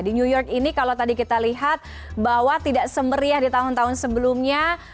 di new york ini kalau tadi kita lihat bahwa tidak semeriah di tahun tahun sebelumnya